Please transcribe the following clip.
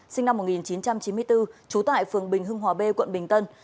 sinh năm một nghìn chín trăm chín mươi bốn trú tại phường bình hưng hòa b quận bình tân